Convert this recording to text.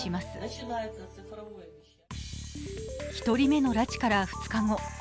１人目の拉致から２日後